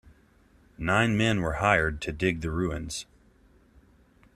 Nine men were hired to dig the ruins.